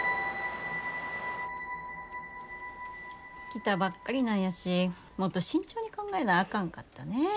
来たばっかりなんやしもっと慎重に考えなあかんかったね。